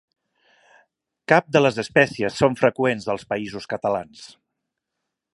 Cap de les espècies són freqüents als Països Catalans.